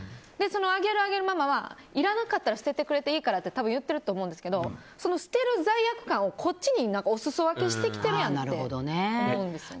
あげるあげるママはいらなかったら捨ててくれていいからって多分、言ってると思いますけどその捨てる罪悪感をこっちにお裾分けしてきとるやんって思うんですよ。